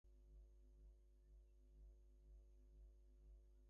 A right-handed batsman, he was also a renowned fielder, particularly at cover point.